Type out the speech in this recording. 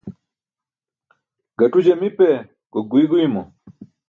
Gaṭu jamipe, gok guiy guymo.